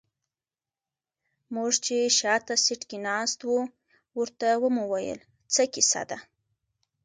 موږ چې شاته سيټ کې ناست وو ورته ومو ويل څه کيسه ده.